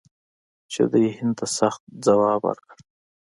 چې دوی هند ته سخت ځواب ورکړ.